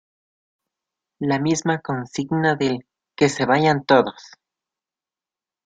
La misma consigna del "¡Que se vayan todos!